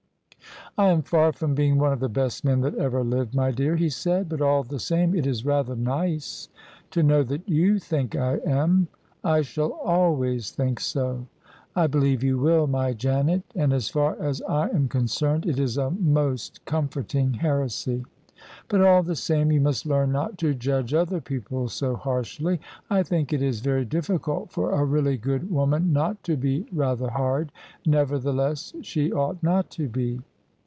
I am far from being one of the best men that ever lived, my dear," he said :" but all the same it is rather nice to know that you think I am." " I shall always think so." " I believe you will, my Janet: and, as far as I am con cerned, it is a most comforting heresy. But all the same, you must learn not to judge other people so harshly. I think it is very difficult for a really good woman not to be rather hard: nevertheless she ought not to be."